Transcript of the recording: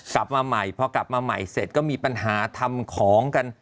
กลับมาใหม่พอกลับมาใหม่เสร็จก็มีปัญหาทำของกัน